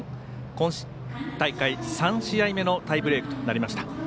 今大会、３試合目のタイブレークとなりました。